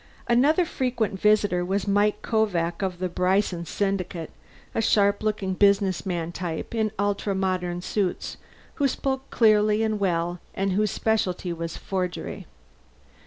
Another frequent visitor was Mike Kovak of the Bryson Syndicate a sharp looking businessman type in ultra modern suits, who spoke clearly and well and whose specialty was forgery.